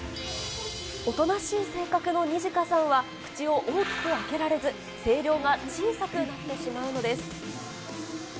おとなしい性格のニジカさんは口を大きく開けられず、声量が小さくなってしまうのです。